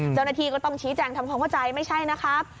เจ้าหน้าที่ก็ต้องชี้แจงทำความเข้าใจไม่ใช่นะครับ